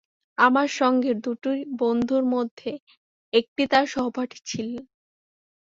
আমার সঙ্গের দুটি বন্ধুর মধ্যে একটি তাঁর সহপাঠী ছিলেন।